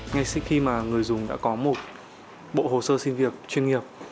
ngay khi mà người dùng đã có một bộ hồ sơ xin việc chuyên nghiệp